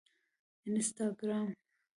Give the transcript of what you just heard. انسټاګرام